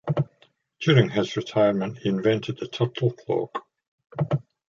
During his retirement he invented the "Turtle Clock".